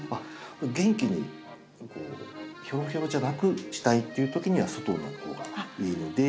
元気にひょろひょろじゃなくしたいっていう時には外の方がいいので。